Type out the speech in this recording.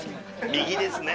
右ですね。